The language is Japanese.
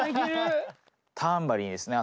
タンバリンっすね